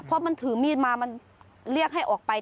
เพราะมันถือมีดมามันเรียกให้ออกไป